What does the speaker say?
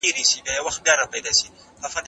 مګر ډبره ستا په لاس کې وه، پیهم قابیله!